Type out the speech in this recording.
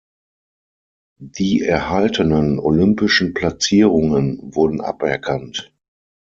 Die erhaltenen olympischen Platzierungen wurden aberkannt.